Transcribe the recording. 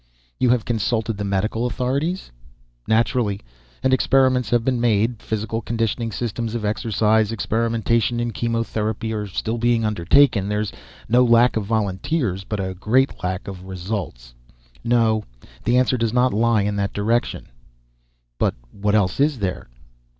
"You have consulted the medical authorities?" "Naturally. And experiments have been made. Physical conditioning, systems of exercise, experimentation in chemotherapy are still being undertaken. There's no lack of volunteers, but a great lack of results. No, the answer does not lie in that direction." "But what else is there?"